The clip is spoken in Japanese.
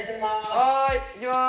はい行きます。